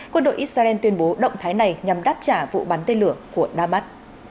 quân đội israel tuyên bố động thái này nhằm đáp trả vụ bắn tên lửa của nam mắt